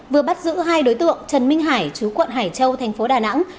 vừa bắt giữ hai đối tượng trần minh hải chú quận hải châu thành phố đà nẵng